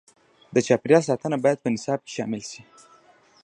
د چاپیریال ساتنه باید په نصاب کې شامل شي.